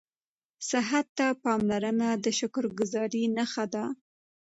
صحت ته پاملرنه د شکرګذارۍ نښه ده